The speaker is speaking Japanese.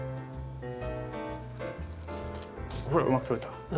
ほらうまく取れた。